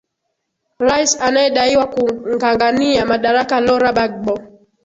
rais anayedaiwa kungangania madaraka lora bagbo